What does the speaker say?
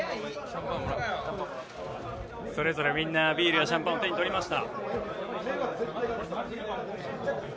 それぞれみんなビールやシャンパンを手に取りました。